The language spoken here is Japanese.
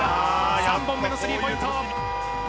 ３本目のスリーポイント。